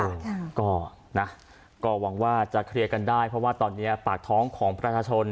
ค่ะก็นะก็หวังว่าจะเคลียร์กันได้เพราะว่าตอนนี้ปากท้องของประชาชน